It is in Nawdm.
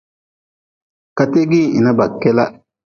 Kategin hina ba kela.